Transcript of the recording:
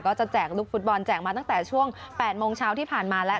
แจกลูกฟุตบอลแจกมาตั้งแต่ช่วง๘โมงเช้าที่ผ่านมาแล้ว